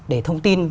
để thông tin